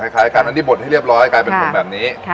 กันอันนี้บดให้เรียบร้อยกลายเป็นผมแบบนี้